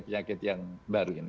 penyakit yang baru ini